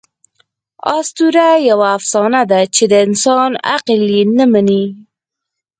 آسطوره یوه افسانه ده، چي د انسان عقل ئې نه مني.